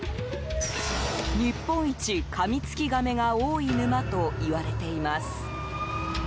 日本一カミツキガメが多い沼といわれています。